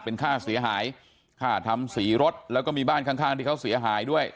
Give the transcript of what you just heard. เป็นค่าเสียหายค่าทำสีรถแล้วก็มีบ้านข้างข้างที่เขาเสียหายด้วย